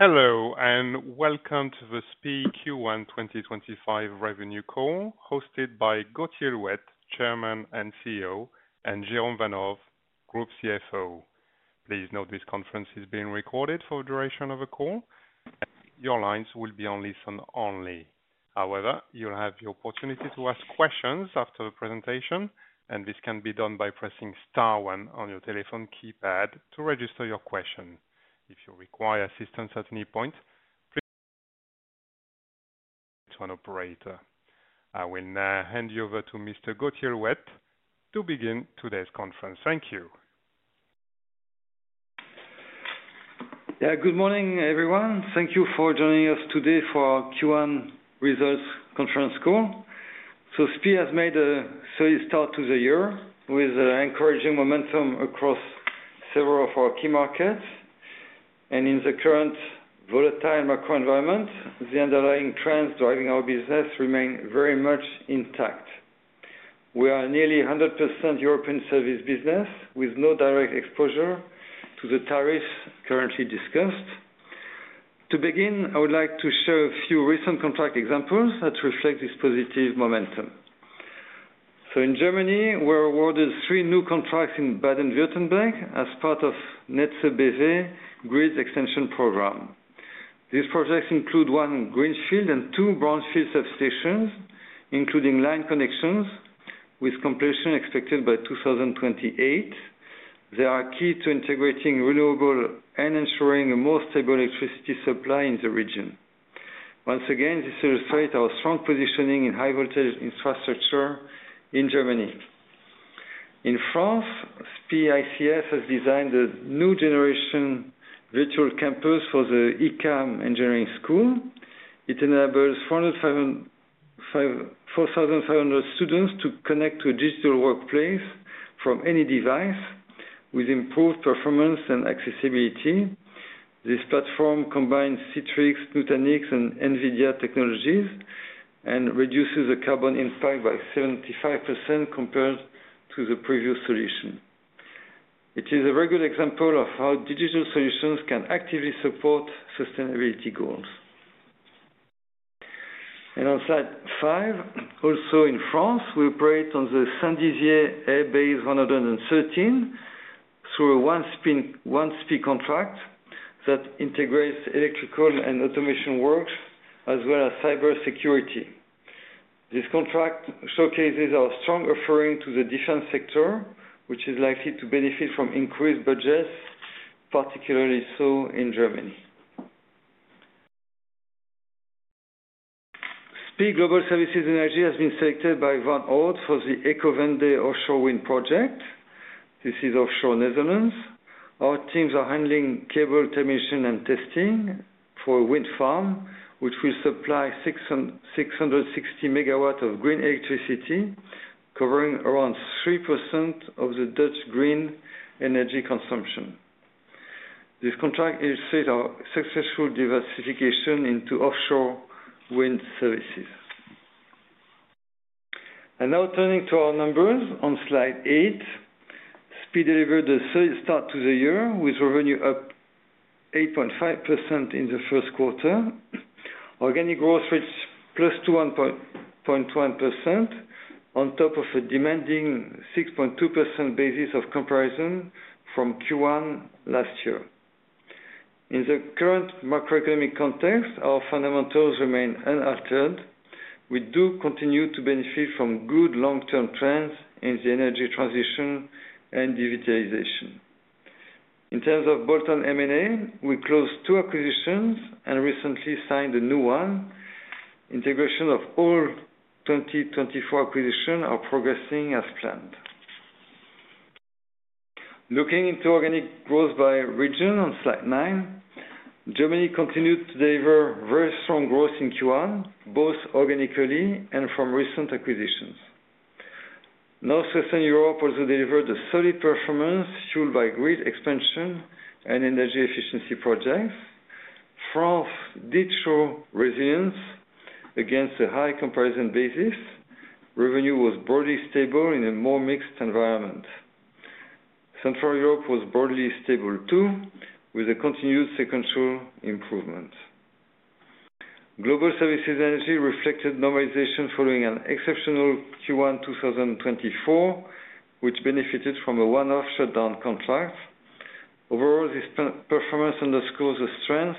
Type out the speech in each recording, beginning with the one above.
Hello, and welcome to the SPIE Q1 2025 Revenue Call, hosted by Gauthier Louette, Chairman and CEO, and Jérôme Vanhove, Group CFO. Please note this conference is being recorded for the duration of the call, and your lines will be on listen only. However, you'll have the opportunity to ask questions after the presentation, and this can be done by pressing star one on your telephone keypad to register your question. If you require assistance at any point, please contact an operator. I will now hand you over to Mr. Gauthier Louette to begin today's conference. Thank you. Yeah, good morning, everyone. Thank you for joining us today for our Q1 results conference call. SPIE has made a solid start to the year with encouraging momentum across several of our key markets. In the current volatile macro environment, the underlying trends driving our business remain very much intact. We are nearly 100% European service business with no direct exposure to the tariffs currently discussed. To begin, I would like to share a few recent contract examples that reflect this positive momentum. In Germany, we were awarded three new contracts in Baden-Württemberg as part of the Netze BW grid extension program. These projects include one greenfield and two brownfield substations, including line connections, with completion expected by 2028. They are key to integrating renewable and ensuring a more stable electricity supply in the region. Once again, this illustrates our strong positioning in high-voltage infrastructure in Germany. In France, SPIE ICS has designed a new generation virtual campus for the ECAM Engineering School. It enables 4,500 students to connect to a digital workplace from any device with improved performance and accessibility. This platform combines Citrix, Nutanix, and NVIDIA technologies and reduces the carbon impact by 75% compared to the previous solution. It is a very good example of how digital solutions can actively support sustainability goals. On slide five, also in France, we operate on the Saint-Dizier Air Base 113 through a One SPIE contract that integrates electrical and automation works as well as cybersecurity. This contract showcases our strong offering to the defense sector, which is likely to benefit from increased budgets, particularly so in Germany. SPIE Global Services Energy has been selected by Van Oord for the Ecowende offshore wind project. This is offshore Netherlands. Our teams are handling cable termination and testing for a wind farm, which will supply 660 MW of green electricity, covering around 3% of the Dutch green energy consumption. This contract illustrates our successful diversification into offshore wind services. Now turning to our numbers on slide eight, SPIE delivered a solid start to the year with revenue up 8.5% in the first quarter, organic growth rates +2.1% on top of a demanding 6.2% basis of comparison from Q1 last year. In the current macroeconomic context, our fundamentals remain unaltered. We do continue to benefit from good long-term trends in the energy transition and digitalization. In terms of bolt-on M&A, we closed two acquisitions and recently signed a new one. Integration of all 2024 acquisitions are progressing as planned. Looking into organic growth by region on slide nine, Germany continued to deliver very strong growth in Q1, both organically and from recent acquisitions. Northwestern Europe also delivered a solid performance fueled by grid expansion and energy efficiency projects. France did show resilience against a high comparison basis. Revenue was broadly stable in a more mixed environment. Central Europe was broadly stable too, with a continued sequential improvement. Global Services Energy reflected normalization following an exceptional Q1 2024, which benefited from a one-off shutdown contract. Overall, this performance underscores the strength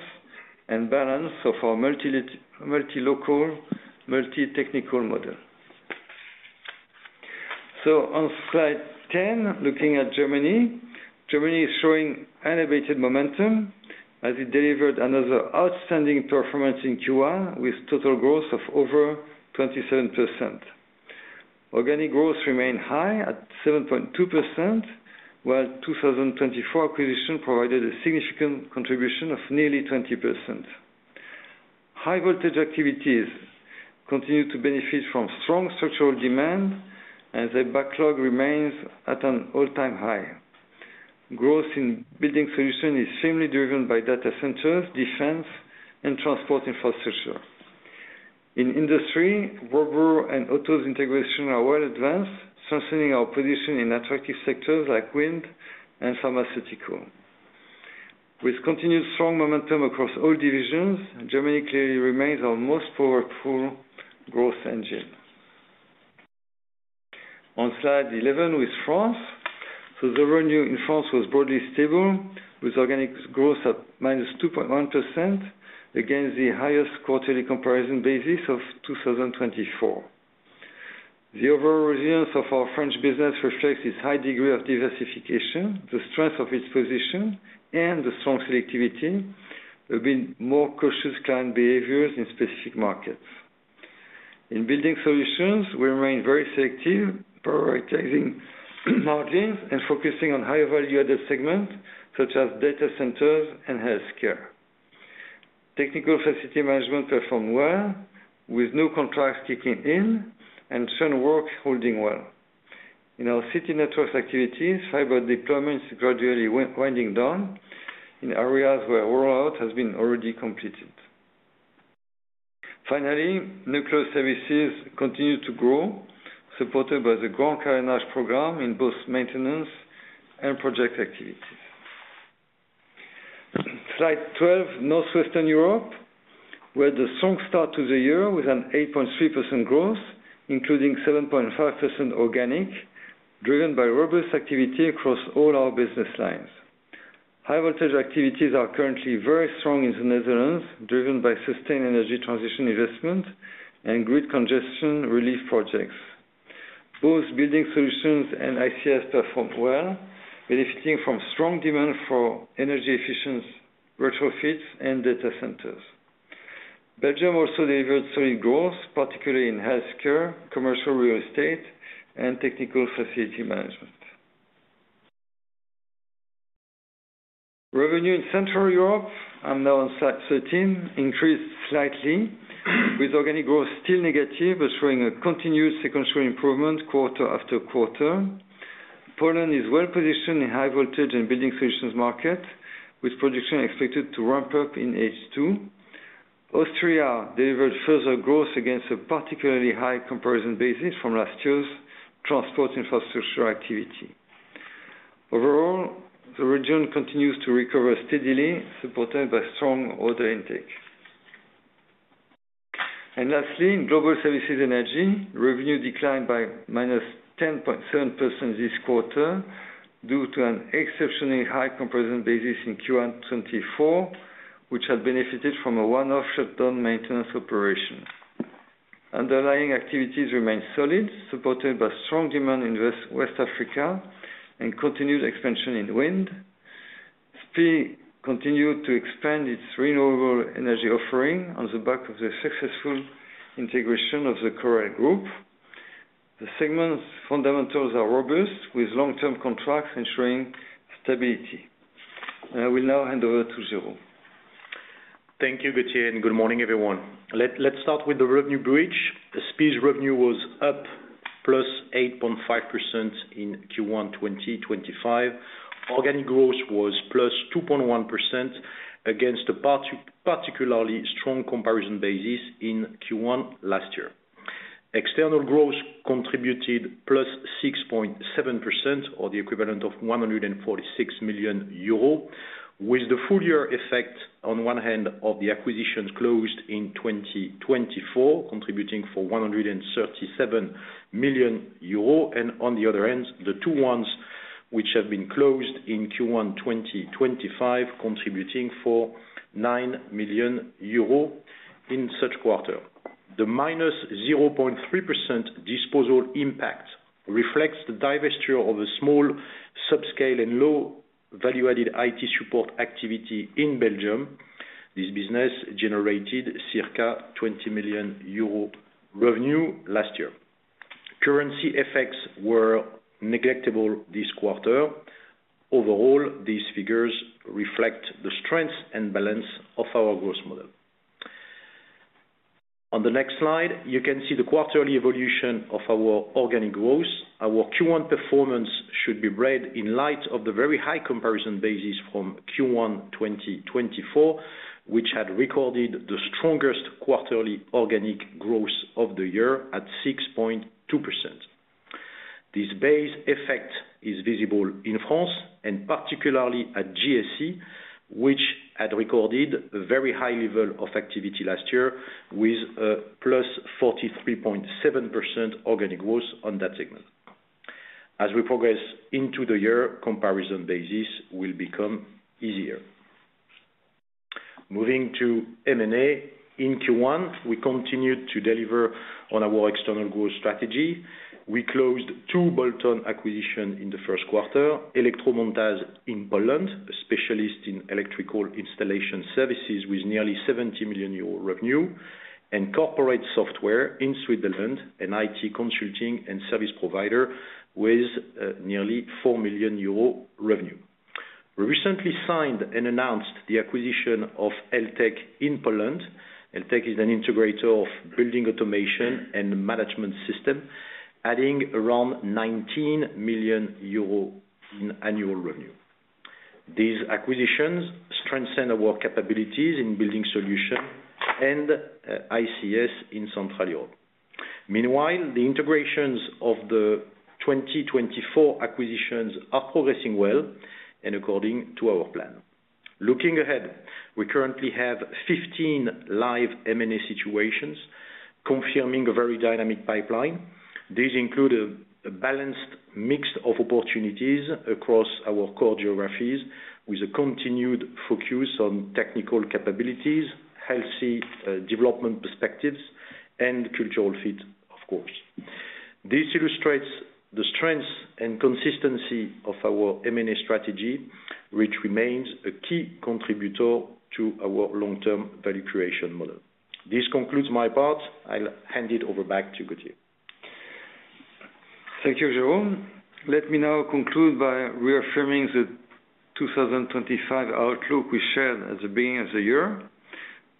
and balance of our multilocal, multi-technical model. On slide ten, looking at Germany, Germany is showing elevated momentum as it delivered another outstanding performance in Q1 with total growth of over 27%. Organic growth remained high at 7.2%, while 2024 acquisition provided a significant contribution of nearly 20%. High-voltage activities continue to benefit from strong structural demand as the backlog remains at an all-time high. Growth in building solutions is firmly driven by data centers, defense, and transport infrastructure. In industry, Robur and Otto's integration are well advanced, strengthening our position in attractive sectors like wind and pharmaceutical. With continued strong momentum across all divisions, Germany clearly remains our most powerful growth engine. On slide 11 with France, the revenue in France was broadly stable with organic growth at -2.1% against the highest quarterly comparison basis of 2024. The overall resilience of our French business reflects its high degree of diversification, the strength of its position, and the strong selectivity. There have been more cautious client behaviors in specific markets. In building solutions, we remain very selective, prioritizing margins and focusing on higher value-added segments such as data centers and healthcare. Technical facility management performed well with new contracts kicking in and churn work holding well. In our city network activities, fiber deployment is gradually winding down in areas where rollout has been already completed. Finally, nuclear services continue to grow, supported by the Grand Carénage program in both maintenance and project activities. Slide 12, Northwestern Europe with a strong start to the year with an 8.3% growth, including 7.5% organic, driven by robust activity across all our business lines. High-voltage activities are currently very strong in the Netherlands, driven by sustained energy transition investment and grid congestion relief projects. Both building solutions and ICS performed well, benefiting from strong demand for energy efficiency retrofits and data centers. Belgium also delivered solid growth, particularly in healthcare, commercial real estate, and technical facility management. Revenue in Central Europe, I'm now on slide 13, increased slightly with organic growth still negative, but showing a continued sequential improvement quarter-after-quarter. Poland is well positioned in high-voltage and building solutions market, with production expected to ramp up in H2. Austria delivered further growth against a particularly high comparison basis from last year's transport infrastructure activity. Overall, the region continues to recover steadily, supported by strong order intake. Lastly, in global services energy, revenue declined by -10.7% this quarter due to an exceptionally high comparison basis in Q1 2024, which had benefited from a one-off shutdown maintenance operation. Underlying activities remained solid, supported by strong demand in West Africa and continued expansion in wind. SPIE continued to expand its renewable energy offering on the back of the successful integration of the Correll Group. The segment's fundamentals are robust, with long-term contracts ensuring stability. I will now hand over to Jérôme. Thank you, Gauthier, and good morning, everyone. Let's start with the revenue bridge. The SPIE's revenue was up +8.5% in Q1 2025. Organic growth was +2.1% against a particularly strong comparison basis in Q1 last year. External growth contributed +6.7% or the equivalent of 146 million euros, with the full year effect on one hand of the acquisitions closed in 2024, contributing for 137 million euros, and on the other hand, the two ones which have been closed in Q1 2025, contributing for 9 million euros in such quarter. The -0.3% disposal impact reflects the divestiture of a small subscale and low-value-added IT support activity in Belgium. This business generated circa 20 million euro revenue last year. Currency effects were negligible this quarter. Overall, these figures reflect the strength and balance of our growth model. On the next slide, you can see the quarterly evolution of our organic growth. Our Q1 performance should be read in light of the very high comparison basis from Q1 2024, which had recorded the strongest quarterly organic growth of the year at 6.2%. This base effect is visible in France and particularly at GSE, which had recorded a very high level of activity last year with a +43.7% organic growth on that segment. As we progress into the year, comparison basis, it will become easier. Moving to M&A, in Q1, we continued to deliver on our external growth strategy. We closed two bolt-on acquisitions in the first quarter: Elektromontaż in Poland, a specialist in electrical installation services with nearly 70 million euro revenue, and Corporate Software in Switzerland, an IT consulting and service provider with nearly 4 million euro revenue. We recently signed and announced the acquisition of LTEC in Poland. LTEC is an integrator of building automation and management system, adding around 19 million euros in annual revenue. These acquisitions strengthen our capabilities in building solutions and ICS in Central Europe. Meanwhile, the integrations of the 2024 acquisitions are progressing well and according to our plan. Looking ahead, we currently have 15 live M&A situations confirming a very dynamic pipeline. These include a balanced mix of opportunities across our core geographies, with a continued focus on technical capabilities, healthy development perspectives, and cultural fit, of course. This illustrates the strengths and consistency of our M&A strategy, which remains a key contributor to our long-term value creation model. This concludes my part. I'll hand it over back to Gauthier. Thank you, Jérôme. Let me now conclude by reaffirming the 2025 outlook we shared at the beginning of the year.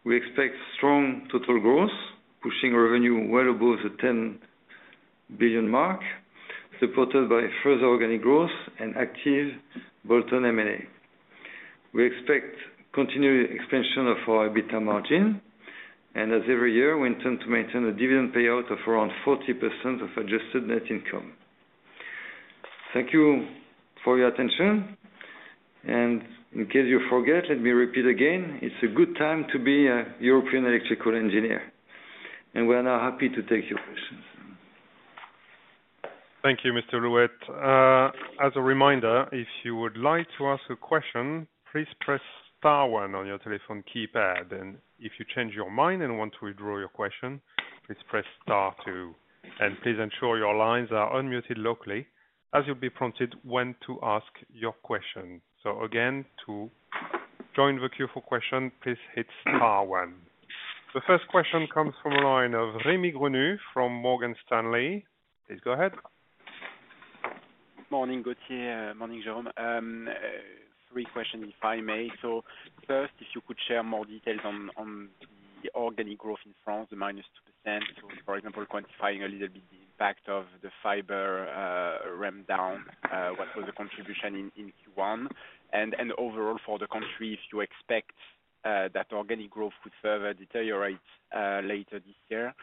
We expect strong total growth, pushing revenue well above the 10 billion mark, supported by further organic growth and active bolt-on M&A. We expect continued expansion of our EBITDA margin, and as every year, we intend to maintain a dividend payout of around 40% of adjusted net income. Thank you for your attention. In case you forget, let me repeat again, it's a good time to be a European electrical engineer. We are now happy to take your questions. Thank you, Mr. Louette. As a reminder, if you would like to ask a question, please press star one on your telephone keypad. If you change your mind and want to withdraw your question, please press star two. Please ensure your lines are unmuted locally as you'll be prompted when to ask your question. Again, to join the queue for questions, please hit star one. The first question comes from a line of Rémi Grenu from Morgan Stanley. Please go ahead. Morning, Gauthier, morning, Jérôme. Three questions, if I may. First, if you could share more details on the organic growth in France, the -2%. For example, quantifying a little bit the impact of the fiber ramp down, what was the contribution in Q1? Overall for the country, if you expect that organic growth could further deteriorate later this year.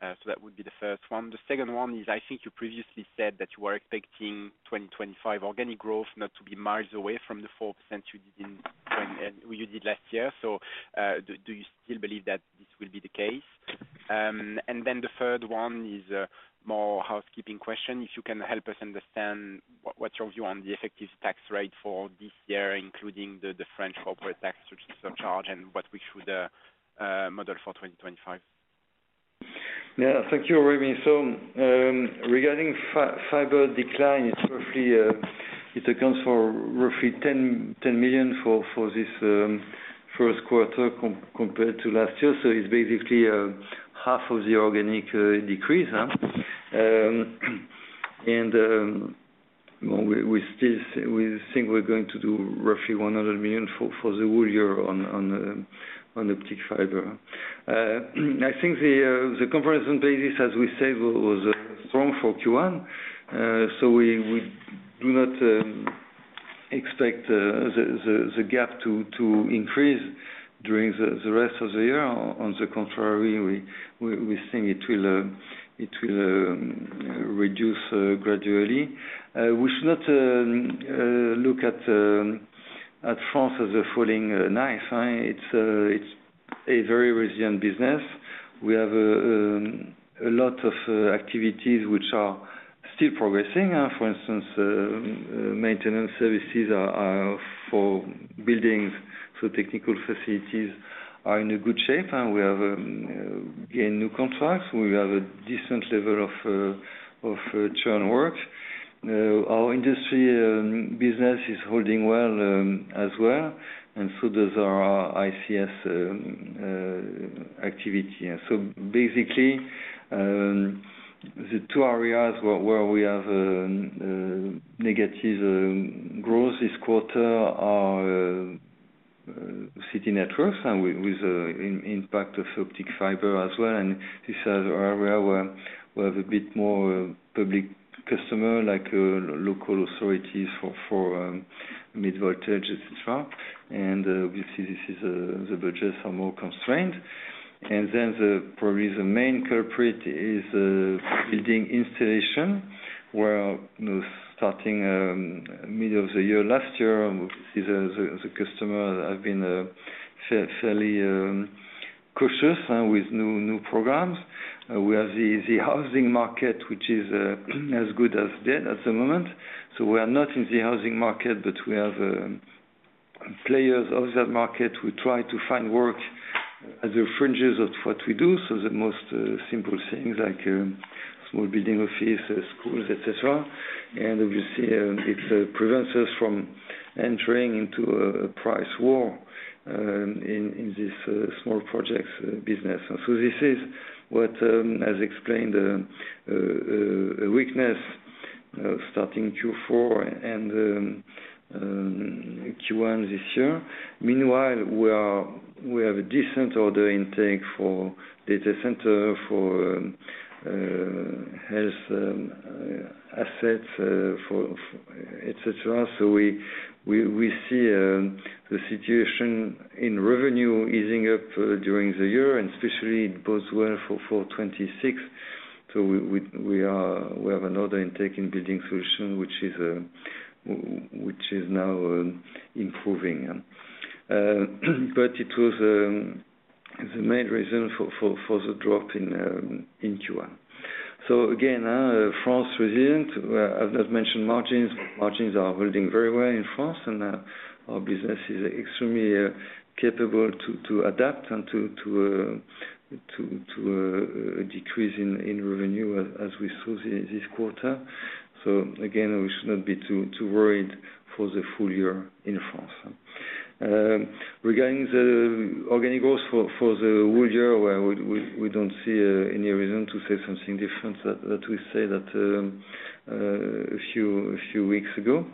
That would be the first one. The second one is, I think you previously said that you were expecting 2025 organic growth not to be miles away from the 4% you did last year. Do you still believe that this will be the case? The third one is a more housekeeping question. If you can help us understand what's your view on the effective tax rate for this year, including the French corporate tax surcharge and what we should model for 2025? Yeah, thank you, Rémi. Regarding fiber decline, it accounts for roughly 10 million for this first quarter compared to last year. It is basically half of the organic decrease. We think we are going to do roughly 100 million for the whole year on optic fiber. I think the comparison basis, as we said, was strong for Q1. We do not expect the gap to increase during the rest of the year. On the contrary, we think it will reduce gradually. We should not look at France as a falling knife. It is a very resilient business. We have a lot of activities which are still progressing. For instance, maintenance services for buildings, so technical facilities are in good shape. We have gained new contracts. We have a decent level of churn work. Our industry business is holding well as well. So does our ICS activity. Basically, the two areas where we have negative growth this quarter are city networks with the impact of optic fiber as well. This is an area where we have a bit more public customer, like local authorities for mid-voltage, etc. Obviously, the budgets are more constrained. Probably the main culprit is building installation where starting middle of the year last year and we can see the customers have been fairly cautious with new programs. We have the housing market, which is as good as dead at the moment. We are not in the housing market, but we have players of that market who try to find work at the fringes of what we do. The most simple things like small building offices, schools, etc. Obviously, it prevents us from entering into a price war in this small projects business. This is what has explained a weakness starting Q4 and Q1 this year. Meanwhile, we have a decent order intake for data centers, for health assets, etc. We see the situation in revenue easing up during the year, and especially it bodes well for 2026. We have another intake in building solutions, which is now improving. It was the main reason for the drop in Q1. Again, France is resilient. I've not mentioned margins. Margins are holding very well in France, and our business is extremely capable to adapt and to decrease in revenue as we saw this quarter. Again, we should not be too worried for the full-year in France. Regarding the organic growth for the whole year, we do not see any reason to say something different that we said a few weeks ago.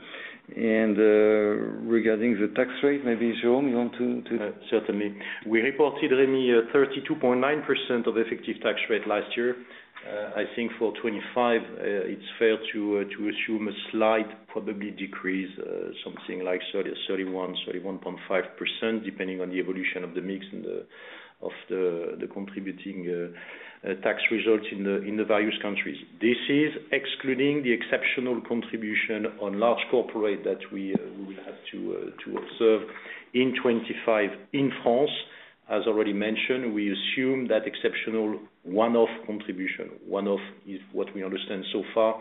Regarding the tax rate, maybe Jérôme, you want to. Certainly. We reported, Rémi, 32.9% of effective tax rate last year. I think for 2025, it's fair to assume a slight probability decrease, something like 31% to 31.5%, depending on the evolution of the mix of the contributing tax results in the various countries. This is excluding the exceptional contribution on large corporate that we will have to observe in 2025 in France. As already mentioned, we assume that exceptional one-off contribution, one-off is what we understand so far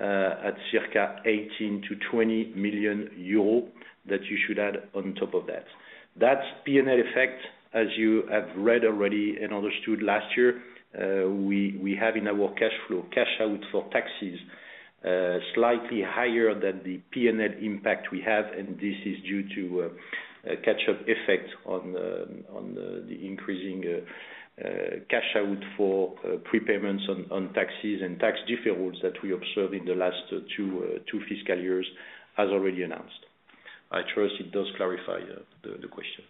at circa 18 million to 20 million euros that you should add on top of that. That's P&L effect. As you have read already and understood last year, we have in our cash flow cash out for taxes slightly higher than the P&L impact we have, and this is due to a catch-up effect on the increasing cash out for prepayments on taxes and tax deferrals that we observed in the last two fiscal years, as already announced. I trust it does clarify the question.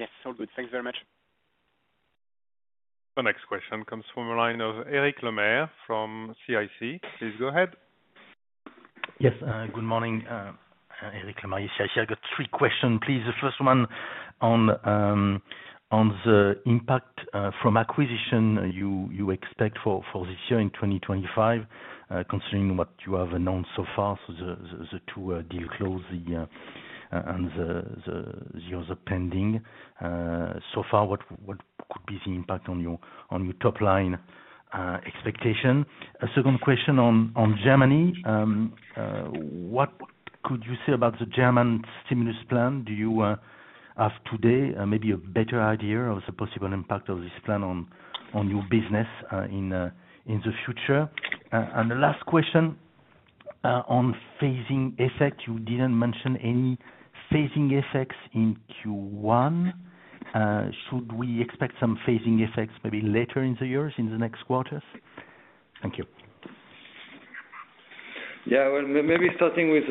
Yes, all good. Thanks very much. The next question comes from a line of Éric Lemaire from CIC. Please go ahead. Yes, good morning, Éric Lemaire. CIC, I got three questions, please. The first one on the impact from acquisition you expect for this year in 2025, considering what you have announced so far, so the two deal closes and the years of pending. So far, what could be the impact on your top-line expectation? A second question on Germany. What could you say about the German stimulus plan? Do you have today maybe a better idea of the possible impact of this plan on your business in the future? The last question on phasing effect. You did not mention any phasing effects in Q1. Should we expect some phasing effects maybe later in the years, in the next quarters? Thank you. Yeah, maybe starting with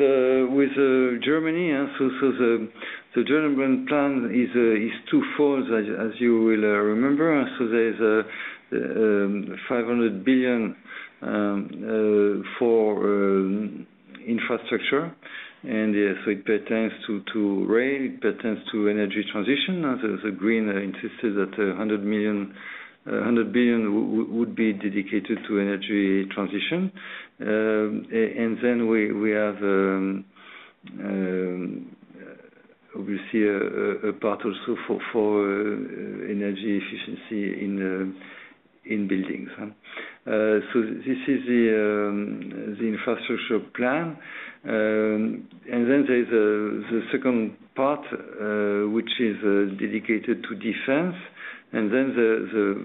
Germany. The German plan is two-fold, as you will remember. There is 500 billion for infrastructure. It pertains to rail, it pertains to energy transition. As Green insisted, 100 billion would be dedicated to energy transition. There is obviously a part also for energy efficiency in buildings. This is the infrastructure plan. There is a second part, which is dedicated to defense. The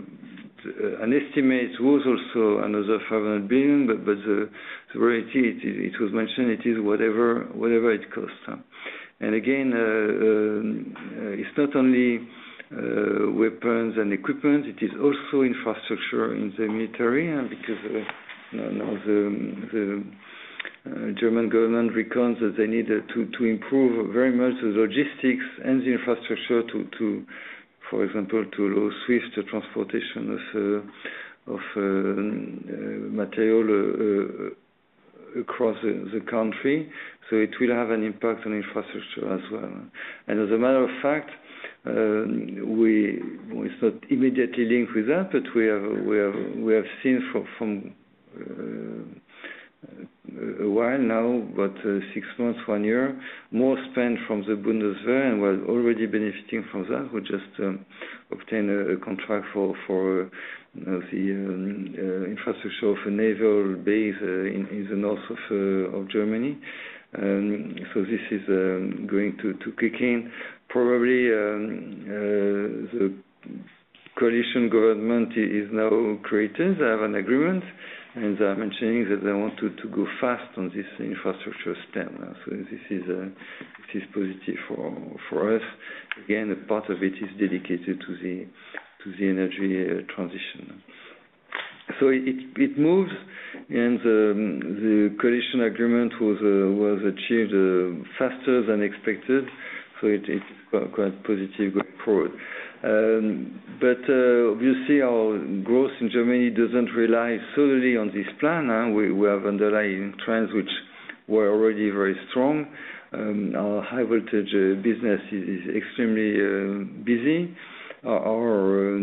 estimate was also another 500 billion, but the variety, it was mentioned, it is whatever it costs. Again, it is not only weapons and equipment, it is also infrastructure in the military, because the German government recalls that they need to improve very much the logistics and the infrastructure to, for example, allow swift transportation of material across the country. It will have an impact on infrastructure as well. As a matter of fact, it's not immediately linked with that, but we have seen for a while now, about six months, one year, more spend from the Bundeswehr, and we're already benefiting from that. We just obtained a contract for the infrastructure of a naval base in the north of Germany. This is going to kick in. Probably the coalition government is now created, they have an agreement, and they are mentioning that they want to go fast on this infrastructure step. This is positive for us. Again, part of it is dedicated to the energy transition. It moves, and the coalition agreement was achieved faster than expected. It's quite positive going forward. Obviously, our growth in Germany doesn't rely solely on this plan. We have underlying trends which were already very strong. Our high-voltage business is extremely busy. Our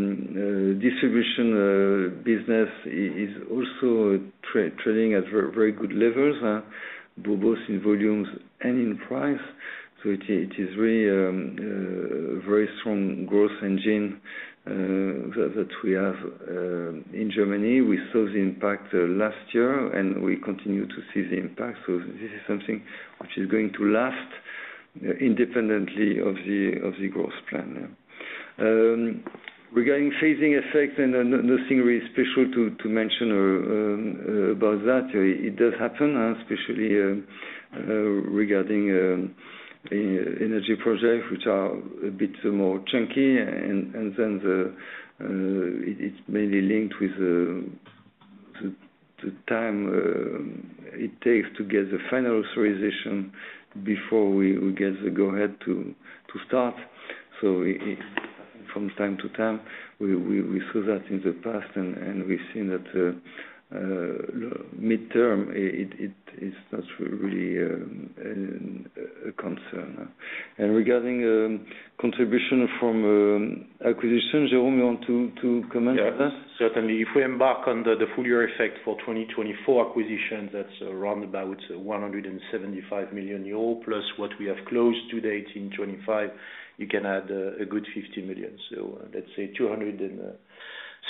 distribution business is also trading at very good levels, both in volumes and in price. It is a very strong growth engine that we have in Germany. We saw the impact last year, and we continue to see the impact. This is something which is going to last independently of the growth plan. Regarding phasing effect, nothing really special to mention about that, it does happen, especially regarding energy projects which are a bit more chunky. It is mainly linked with the time it takes to get the final authorization before we get the go-ahead to start. From time to time, we saw that in the past, and we've seen that midterm, it's not really a concern. Regarding contribution from acquisition, Jérôme, you want to comment on that? Yes, certainly. If we embark on the full year effect for 2024 acquisitions, that's around about 175 million euros, plus what we have closed to date in 2025, you can add a good 50 million. Let's say 270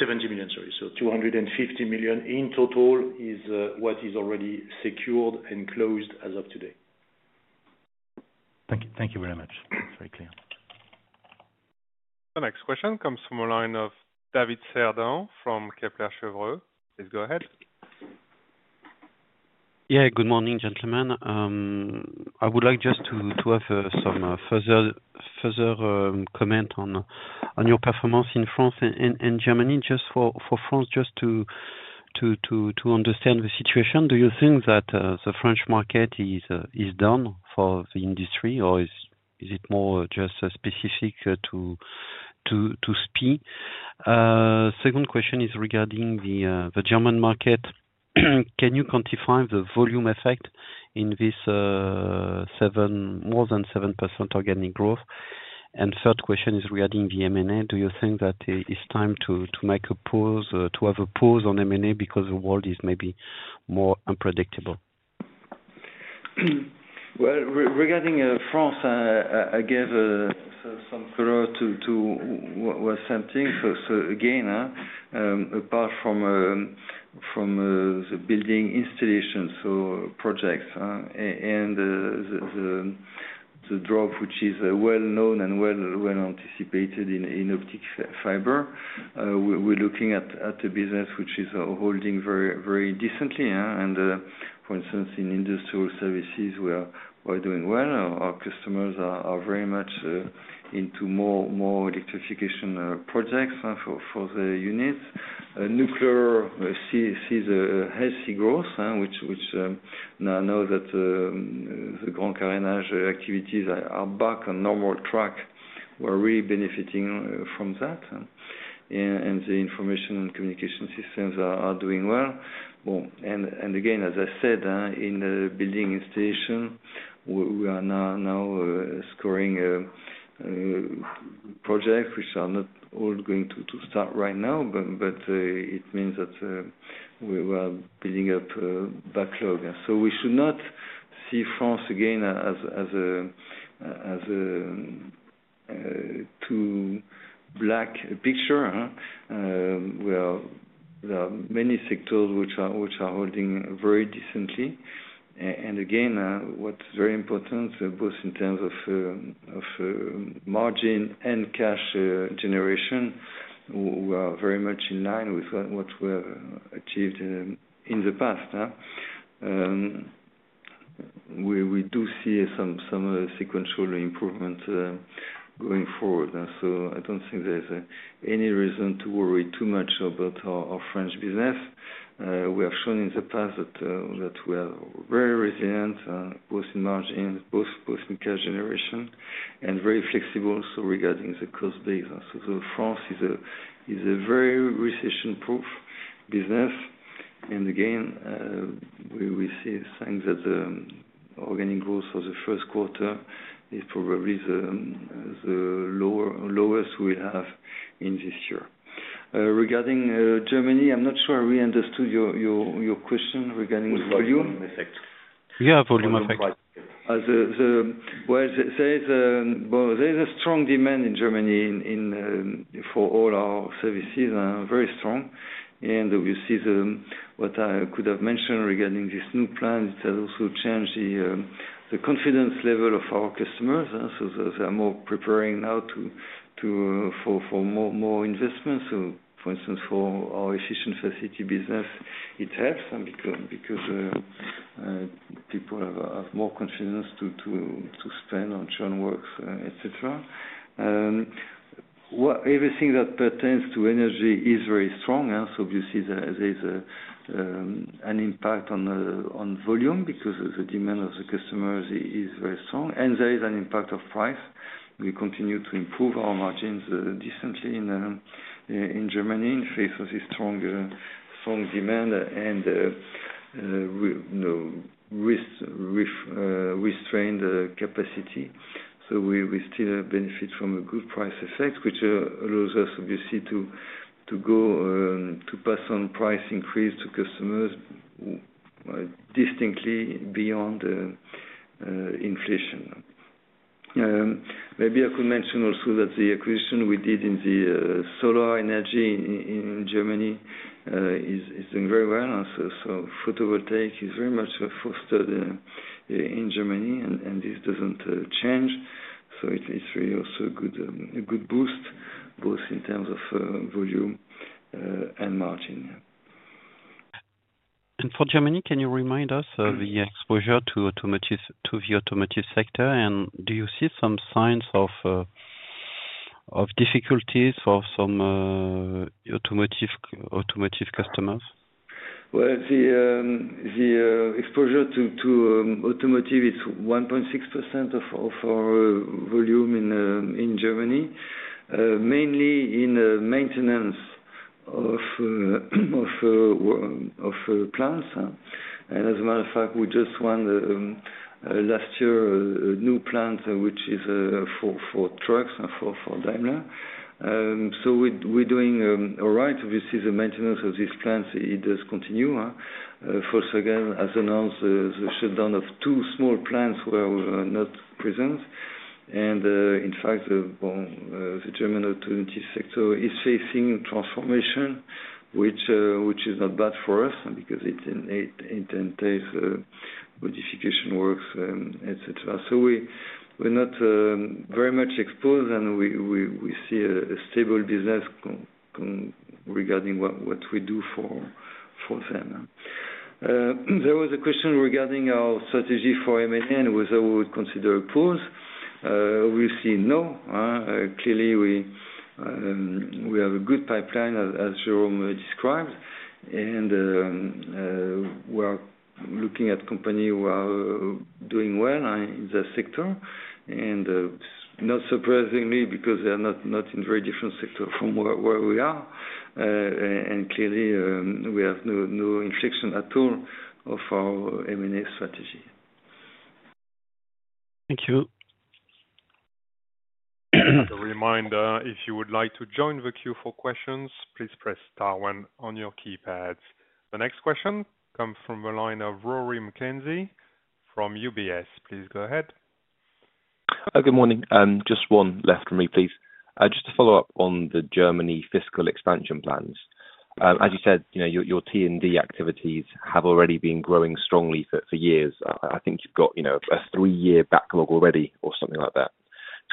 million, sorry. 250 million in total is what is already secured and closed as of today. Thank you very much. It's very clear. The next question comes from a line of David Cerdan from Kepler Cheuvreux. Please go ahead. Yeah, good morning, gentlemen. I would like just to have some further comment on your performance in France and Germany. Just for France, just to understand the situation, do you think that the French market is down for the industry, or is it more just specific to SPIE? Second question is regarding the German market. Can you quantify the volume effect in this more than 7% organic growth? And third question is regarding the M&A. Do you think that it's time to have a pause on M&A because the world is maybe more unpredictable? Regarding France, I gave some credit to what Sam thinks. Again, apart from the building installations, so projects, and the drop, which is well-known and well-anticipated in optic fiber, we're looking at a business which is holding very decently. For instance, in industrial services, we're doing well. Our customers are very much into more electrification projects for the units. Nuclear sees a healthy growth, which now that the Grand Carénage activities are back on normal track, we're really benefiting from that. The information and communication systems are doing well. Again, as I said, in the building installation, we are now scoring projects which are not all going to start right now, but it means that we are building up backlog. We should not see France again as a too black picture. There are many sectors which are holding very decently. What's very important, both in terms of margin and cash generation. We are very much in line with what we have achieved in the past. We do see some sequential improvements going forward. I don't think there's any reason to worry too much about our French business. We have shown in the past that we are very resilient, both in margins, both in cash generation, and very flexible regarding the cost base. France is a very recession-proof business where we see signs that the organic growth for the first quarter is probably the lowest we'll have in this year. Regarding Germany, I'm not sure I really understood your question regarding volume. Volume effect. Yeah, volume effect. The volume effect, there is a strong demand in Germany for all our services, very strong. We see what I could have mentioned regarding this new plan. It has also changed the confidence level of our customers. They are more preparing now for more investments. For instance, for our efficient facility business, it helps because people have more confidence to spend on churn works, etc. Everything that pertains to energy is very strong. Obviously, there is an impact on volume because of the demand of the customers is very strong. There is an impact of price. We continue to improve our margins decently in Germany in the face of this strong demand and restrained capacity. We still benefit from a good price effect, which allows us, obviously, to pass on price increase to customers distinctly beyond inflation. Maybe I could mention also that the acquisition we did in the solar energy in Germany is doing very well. Photovoltaic is very much fostered in Germany, and this does not change. It is really also a good boost, both in terms of volume and margin. For Germany, can you remind us of the exposure to the automotive sector? Do you see some signs of difficulties for some automotive customers? The exposure to automotive is 1.6% of our volume in Germany, mainly in maintenance of plants. As a matter of fact, we just won last year a new plant, which is for trucks and for Daimler. We are doing all right. Obviously, the maintenance of these plants, it does continue. Also, again, as announced, the shutdown of two small plants were not present. In fact, the German automotive sector is facing transformation, which is not bad for us because it entails modification works, etc. We are not very much exposed, and we see a stable business regarding what we do for them. There was a question regarding our strategy for M&A and whether we would consider a pause. Obviously, no. Clearly, we have a good pipeline, as Jérôme described. We are looking at companies who are doing well in the sector. Not surprisingly, because they are not in a very different sector from where we are. Clearly, we have no infliction at all of our M&A strategy. Thank you. As a reminder, if you would like to join the queue for questions, please press star 1 on your keypads. The next question comes from a line of Rory Mckenzie from UBS. Please go ahead. Good morning. Just one left for me, please. Just to follow up on the Germany fiscal expansion plans. As you said, your T&D activities have already been growing strongly for years. I think you've got a three-year backlog already or something like that.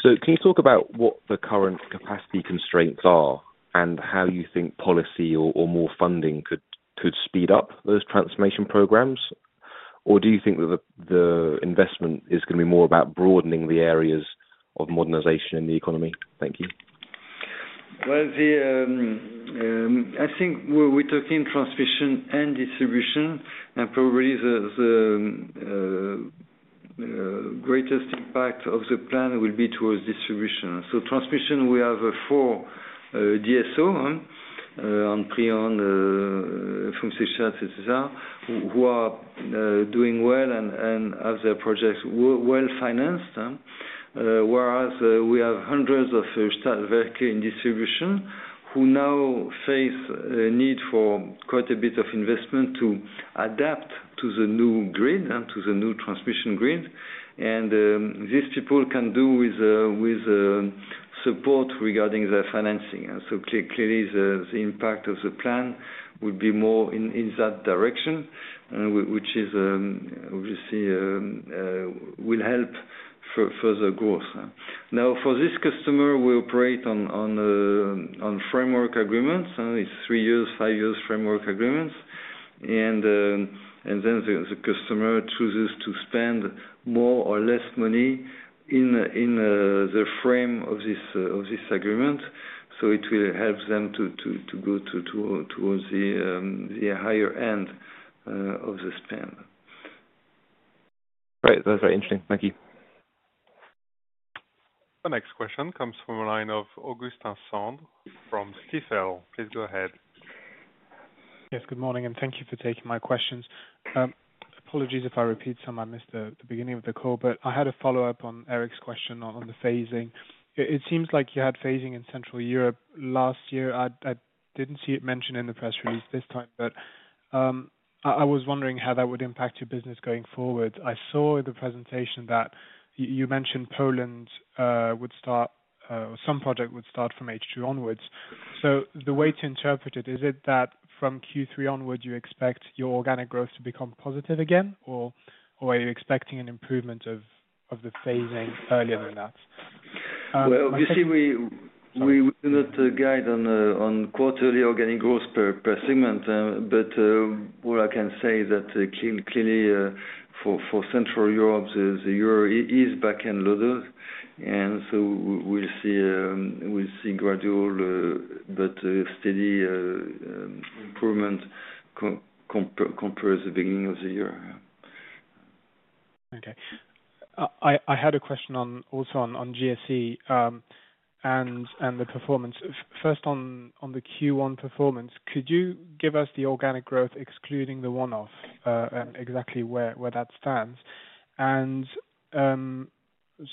Can you talk about what the current capacity constraints are and how you think policy or more funding could speed up those transformation programs? Do you think that the investment is going to be more about broadening the areas of modernization in the economy? Thank you. I think we're talking transmission and distribution. Probably the greatest impact of the plan will be towards distribution. Transmission, we have four DSO, Amprion, Transnet, GE Vernova, who are doing well and have their projects well financed. Whereas we have hundreds of Stadtwerke in distribution who now face a need for quite a bit of investment to adapt to the new grid, to the new transmission grid. These people can do with support regarding their financing. Clearly, the impact of the plan will be more in that direction, which obviously will help further growth. For this customer, we operate on framework agreements. It's three-year, five-year framework agreements. The customer chooses to spend more or less money in the frame of this agreement. It will help them to go towards the higher end of the spend. Great. That was very interesting. Thank you. The next question comes from line of Augustin Cendre from Stifel. Please go ahead. Yes, good morning, and thank you for taking my questions. Apologies if I repeat some. I missed the beginning of the call, but I had a follow-up on Éric's question on the phasing. It seems like you had phasing in Central Europe last year. I did not see it mentioned in the press release this time, but I was wondering how that would impact your business going forward. I saw in the presentation that you mentioned Poland would start, or some project would start from H2 onwards. The way to interpret it, is it that from Q3 onward, you expect your organic growth to become positive again, or are you expecting an improvement of the phasing earlier than that? Obviously, we do not guide on quarterly organic growth per segment, but all I can say is that clearly, for Central Europe, the year is back in low. And so we'll see gradual, but steady improvement compared to the beginning of the year. Okay. I had a question also on GSE and the performance. First, on the Q1 performance, could you give us the organic growth, excluding the one-off, and exactly where that stands?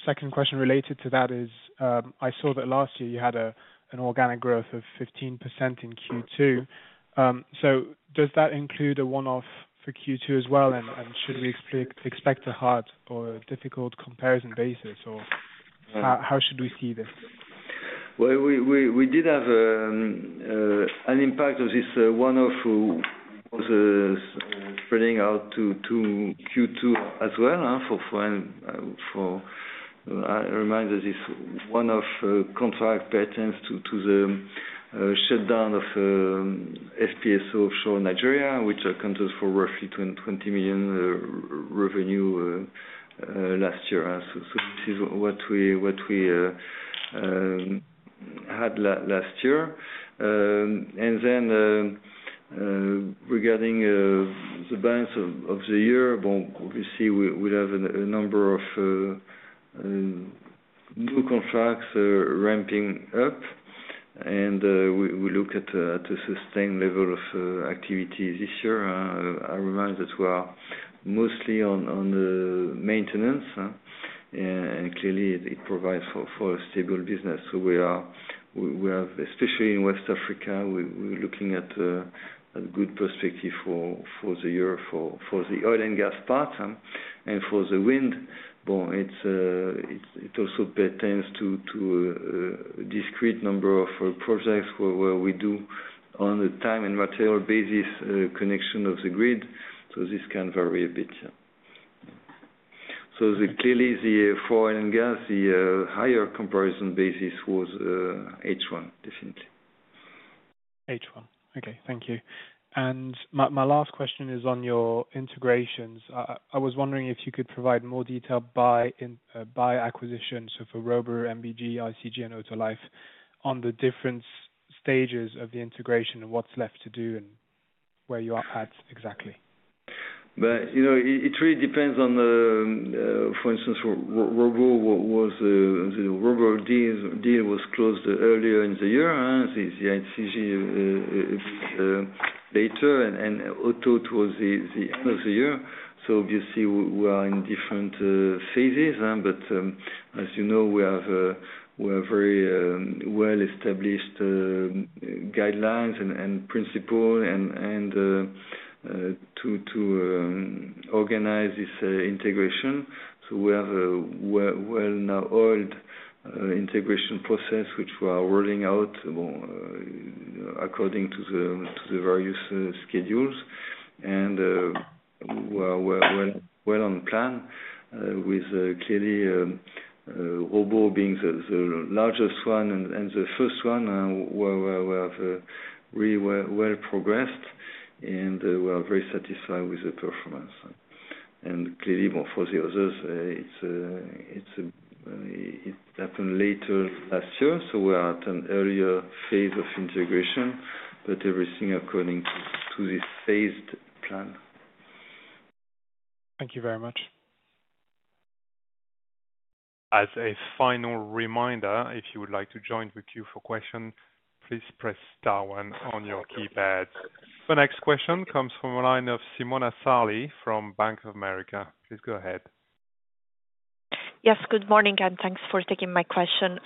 Second question related to that is, I saw that last year you had an organic growth of 15% in Q2. Does that include a one-off for Q2 as well, and should we expect a hard or difficult comparison basis, or how should we see this? We did have an impact of this one-off was spreading out to Q2 as well. I remind you, this one-off contract pertains to the shutdown of SPIE operation in Nigeria, which accounted for roughly EUR 20 million revenue last year. This is what we had last year. Regarding the balance of the year, obviously, we have a number of new contracts ramping up, and we look at the sustained level of activity this year. I remind you that we are mostly on maintenance, and clearly, it provides for a stable business. We have, especially in West Africa, we're looking at a good perspective for the year, for the oil and gas part, and for the wind. It also pertains to a discrete number of projects where we do, on a time and material basis, connection of the grid. This can vary a bit. Clearly, for oil and gas, the higher comparison basis was H1, definitely. Okay. Thank you. My last question is on your integrations. I was wondering if you could provide more detail by acquisition, so for Robur, MBG, ICG, and Otto Life, on the different stages of the integration and what's left to do and where you are at exactly. It really depends on, for instance, Robur was closed earlier in the year, the ICG later, and Otto Life was the end of the year. Obviously, we are in different phases. As you know, we have very well-established guidelines and principles to organize this integration. We have a well-known integration process, which we are rolling out according to the various schedules. We are well on plan, with clearly Robur being the largest one and the first one. We have really well progressed, and we are very satisfied with the performance. Clearly, for the others, it happened later last year. We are at an earlier phase of integration, but everything according to this phased plan. Thank you very much. As a final reminder, if you would like to join the queue for questions, please press star 1 on your keypads. The next question comes from a line of Simona Sarli from Bank of America. Please go ahead. Yes, good morning, and thanks for taking my question.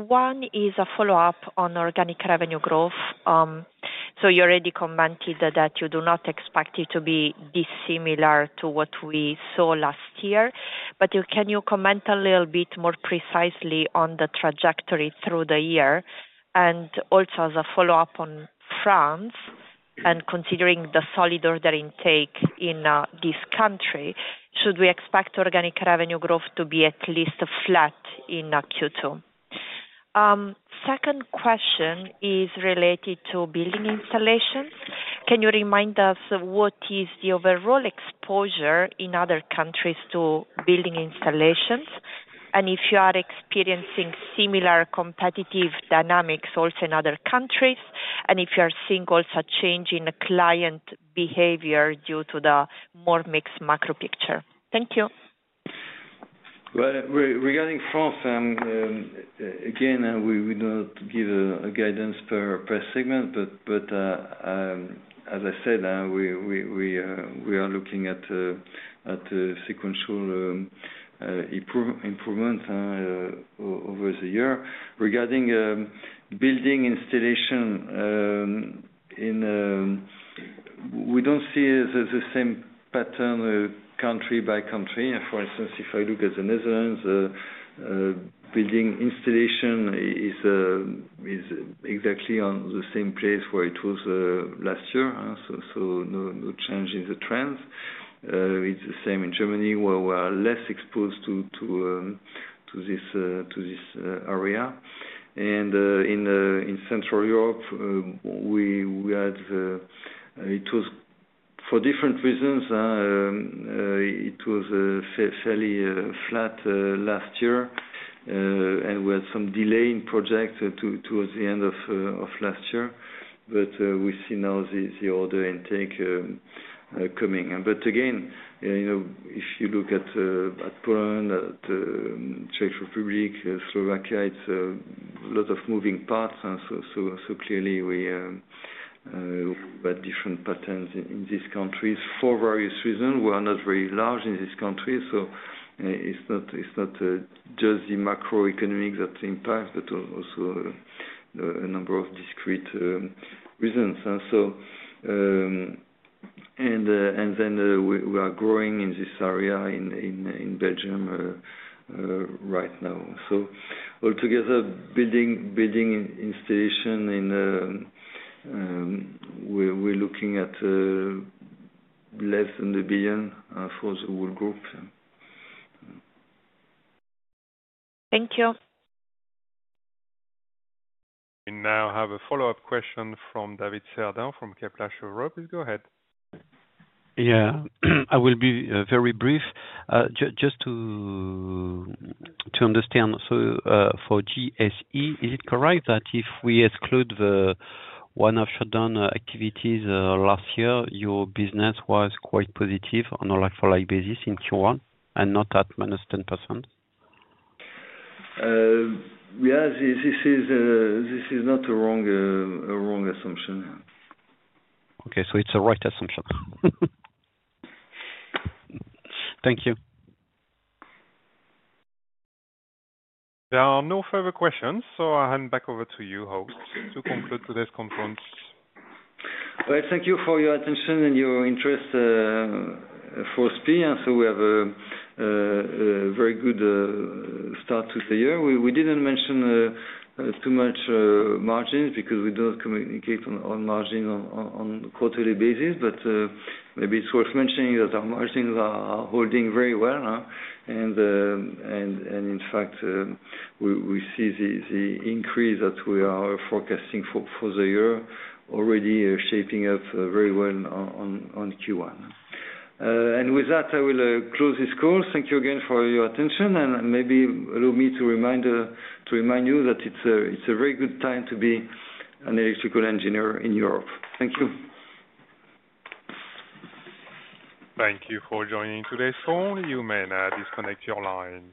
One is a follow-up on organic revenue growth. You already commented that you do not expect it to be dissimilar to what we saw last year. Can you comment a little bit more precisely on the trajectory through the year? Also, as a follow-up on France, and considering the solid order intake in this country, should we expect organic revenue growth to be at least flat in Q2? Second question is related to building installations. Can you remind us what is the overall exposure in other countries to building installations? If you are experiencing similar competitive dynamics also in other countries, and if you are seeing also a change in client behavior due to the more mixed macro picture? Thank you. Regarding France, again, we do not give a guidance per segment, but as I said, we are looking at sequential improvement over the year. Regarding building installation, we do not see the same pattern country by country. For instance, if I look at the Netherlands, building installation is exactly on the same place where it was last year. No change in the trends. It is the same in Germany, where we are less exposed to this area. In Central Europe, for different reasons, it was fairly flat last year, and we had some delay in projects towards the end of last year. We see now the order intake coming. Again, if you look at Poland, at the Czech Republic, Slovakia, it is a lot of moving parts. Clearly, we have different patterns in these countries for various reasons. We are not very large in these countries. It is not just the macroeconomic that impacts, but also a number of discrete reasons. We are growing in this area in Belgium right now. Altogether, building installation, we are looking at less than 1 billion for the whole group. Thank you. We now have a follow-up question from David Cerdan from Kepler Cheuvreux. Please go ahead. Yeah. I will be very brief. Just to understand, for GSE, is it correct that if we exclude the one-off shutdown activities last year, your business was quite positive on a like-for-like basis in Q1 and not at -10%? Yeah. This is not a wrong assumption. Okay. So it's a right assumption. Thank you. There are no further questions, so I hand back over to you, host, to conclude today's conference. Thank you for your attention and your interest for SPIE. We have a very good start to the year. We did not mention too much margins because we do not communicate on margins on a quarterly basis, but maybe it is worth mentioning that our margins are holding very well. In fact, we see the increase that we are forecasting for the year already shaping up very well on Q1. With that, I will close this call. Thank you again for your attention. Maybe allow me to remind you that it is a very good time to be an electrical engineer in Europe. Thank you. Thank you for joining today. Soon, you may disconnect your line.